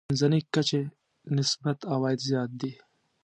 منځنۍ کچې نسبت عوايد زیات دي.